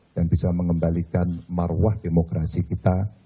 dan bisa mengembalikan maruah demokrasi kita